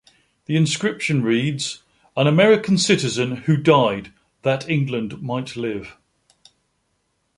The inscription reads: "An American citizen who died that England might live".